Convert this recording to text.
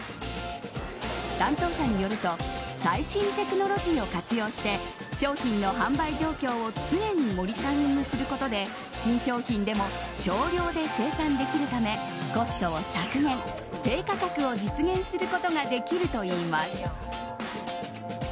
担当者によると最新テクノロジーを活用して商品の販売状況を常にモニタリングすることで新商品でも少量で生産できるためコストを削減、低価格を実現することができるといいます。